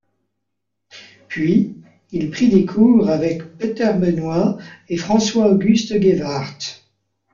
Puis, il prit des cours avec Peter Benoit et François-Auguste Gevaert.